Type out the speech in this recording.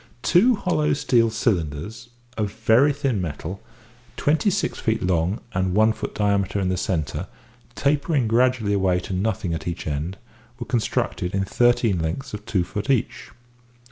Two hollow steel cylinders, of very thin metal, twenty six feet long and one foot diameter in the centre, tapering gradually away to nothing at each end, were constructed in thirteen lengths of two feet each.